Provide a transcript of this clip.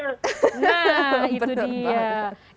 nah itu dia